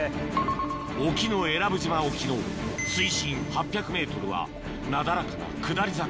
沖永良部島沖の水深８００ｍはなだらかな下り坂